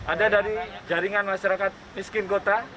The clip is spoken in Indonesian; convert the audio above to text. ada dari jaringan masyarakat miskin kota